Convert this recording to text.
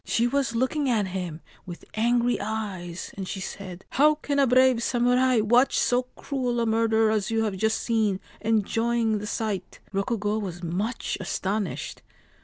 She was looking at him with angry eyes, and she said :' How can a brave samurai watch so cruel a murder as you have just seen, enjoying the sight ?' Rokugo was much astonished.